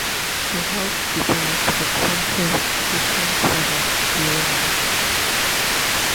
She helped develop the control systems for the Buran.